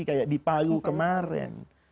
kayak dipalu kemarin